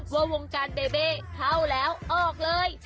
วงการเบเบ่เข้าแล้วออกเลย